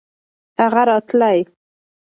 هغه راتلی .